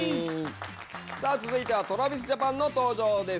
さあ続いてはＴｒａｖｉｓＪａｐａｎの登場です。